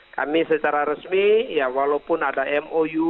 kami secara resmi ya walaupun ada mou